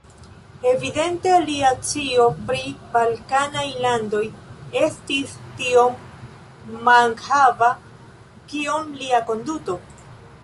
Evidente lia scio pri balkanaj landoj estis tiom mankhava kiom lia konduto.